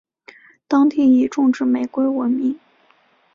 当地以种植玫瑰闻名。